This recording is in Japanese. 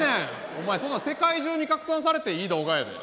お前そんなん世界中に拡散されていい動画やで。